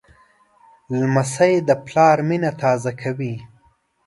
لمسی د پلار مینه تازه کوي.